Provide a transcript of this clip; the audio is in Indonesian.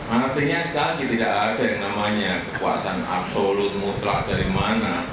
artinya sekali tidak ada yang namanya kekuasaan absolut mutlak dari mana